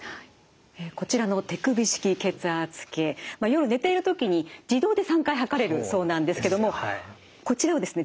こちらの手首式血圧計夜寝ている時に自動で３回測れるそうなんですけどもこちらをですね